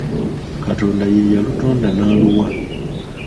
Katonda ye yalutonda n’aluwa